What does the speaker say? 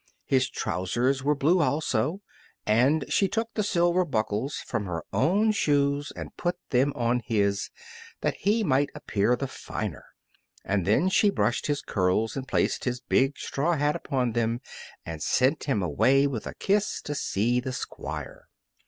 His trousers were blue, also, and she took the silver buckles from her own shoes and put them on his, that he might appear the finer. And then she brushed his curls and placed his big straw hat upon them and sent him away with a kiss to see the Squire.